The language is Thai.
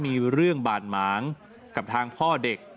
มีเรื่องบาดหมางกับทางพ่อเด็ก